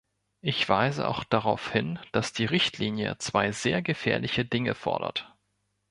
Ich weise auch darauf hin, dass die Richtlinie zwei sehr gefährliche Dinge fordert.